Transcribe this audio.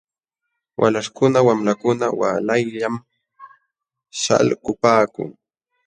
Walaśhkuna wamlakuna waalayllam śhalkupaakun .